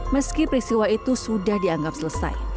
meski peristiwa itu sudah dianggap selesai